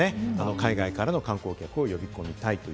海外からの観光客を呼び込みたい。